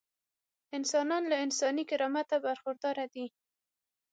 انسانان له انساني کرامته برخورداره دي.